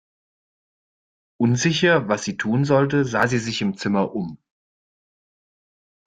Unsicher, was sie tun sollte, sah sie sich im Zimmer um.